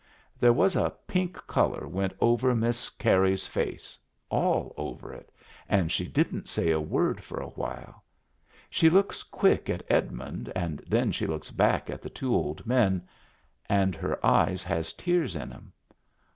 There was a pink color went over Miss Carey's face — all over it — and she didn't say a word for a while; she looks quick at Edmund and then she looks back at the two old men, and her eyes has tears in 'em.